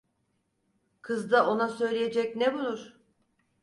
Kız da ona söyleyecek ne bulur?